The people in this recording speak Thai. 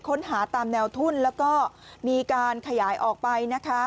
ค้นหาตามแนวทุ่นแล้วก็มีการขยายออกไปนะคะ